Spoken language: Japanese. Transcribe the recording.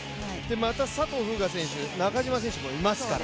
また佐藤風雅選手、中島選手もいますから。